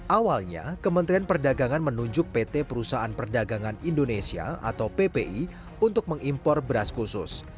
awalnya kementerian perdagangan menunjuk pt perusahaan perdagangan indonesia atau ppi untuk mengimpor beras khusus